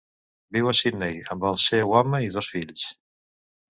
Viu a Sydney amb el seu home i dos fills.